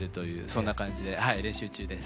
そんな感じで練習中です。